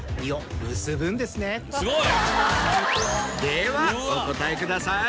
ではお答えください。